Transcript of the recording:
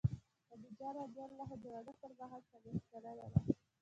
خدیجه رض د واده پر مهال څلوېښت کلنه وه.